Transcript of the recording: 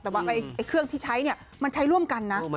แต่ว่าเครื่องที่ใช้เนี่ยมันใช้ร่วมกันนะ